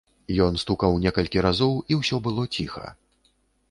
Ён стукаў некалькі разоў, і ўсё было ціха.